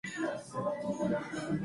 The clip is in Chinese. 他现在效力于英超球队斯旺西。